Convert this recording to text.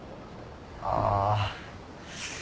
ああ。